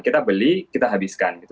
kita beli kita habiskan